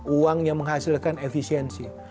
uang yang menghasilkan efisiensi